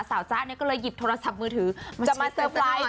สาวจ๊ะเนี่ยก็เลยหยิบโทรศัพท์มือถือจะมาเช็คสันหน่อย